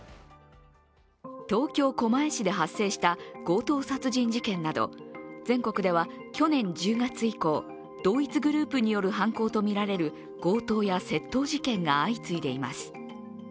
東京・狛江市で発生した強盗殺人事件など全国では去年１０月以降、同一グループによる犯行とみられる強盗や窃盗事件が相次いでいます。